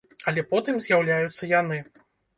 Але потым з'яўляюцца яны.